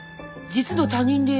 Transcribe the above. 実の他人です。